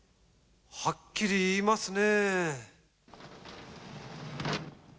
はっきり言いますね。